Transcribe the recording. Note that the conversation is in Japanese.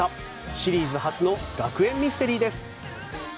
シリーズ初の学園ミステリーです。